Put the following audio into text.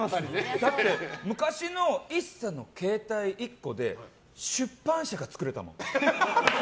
昔のＩＳＳＡの携帯１個で出版社が作れたもん。